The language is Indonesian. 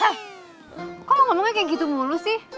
hah kok ngomongnya kayak gitu mulu sih